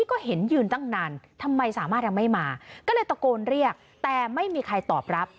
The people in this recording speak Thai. ก็เลยตะโกนเรียกแต่ไม่มีใครตอบรับ